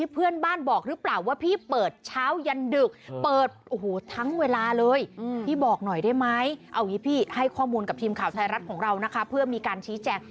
เพื่อมีการชี้แจก